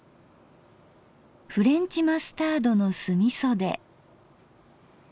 フレンチマスタードの酢みそで。